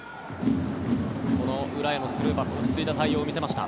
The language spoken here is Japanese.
この裏へのスルーパスも落ち着いた対応を見せました。